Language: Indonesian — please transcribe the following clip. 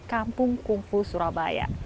kampung kungfu surabaya